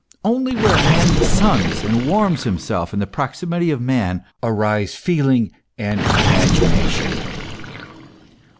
Only where man suns and warms himself in the proximity of man, arise feeling and imagination.